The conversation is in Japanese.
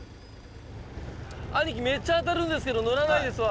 兄貴めっちゃアタるんですけどのらないですわ。